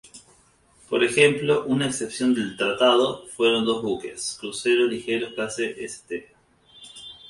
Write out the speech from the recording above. Por ejemplo; una excepción al "tratado" fueron dos buques, Cruceros Ligeros Clase "St.